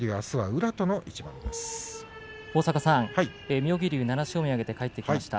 妙義龍７勝目を挙げて帰ってきました。